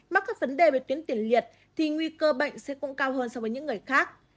mắc các vấn đề về tuyến tiền liệt thì nguy cơ bệnh sẽ cũng cao hơn so với những người khác